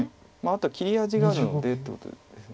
あとは切り味があるのでってことです。